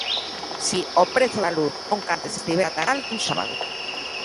Si, o prezo da luz nunca antes estivera tan alto un sábado.